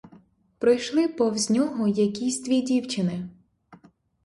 Пройшли повз нього якісь дві дівчини.